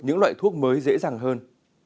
những loại thuốc mới dễ dàng hơn